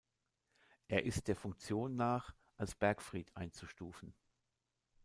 Er ist der Funktion nach als Bergfried einzustufen.